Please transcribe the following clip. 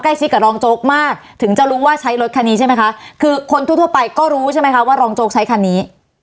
ซิกกับรองโจ๊กมากถึงจะรู้ว่าใช้รถคันนี้ใช่ไหมคะคือคนทั่วทั่วไปก็รู้ใช่ไหมคะว่ารองโจ๊กใช้คันนี้